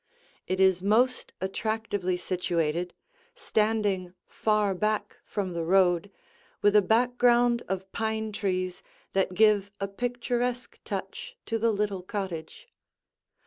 It is most attractively situated, standing far back from the road, with a background of pine trees that give a picturesque touch to the little cottage.